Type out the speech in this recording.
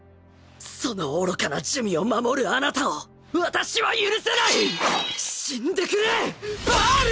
その愚かな珠魅を守るあなたを私は許せな死んでくれパール！